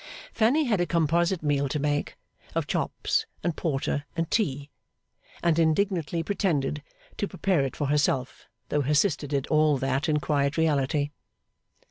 Fanny had a composite meal to make, of chops, and porter, and tea; and indignantly pretended to prepare it for herself, though her sister did all that in quiet reality.